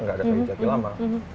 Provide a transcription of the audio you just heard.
nggak ada kaki jati lama